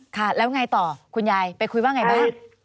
ค่ะแล้วไงต่อคุณยายไปคุยว่าไงบ้าง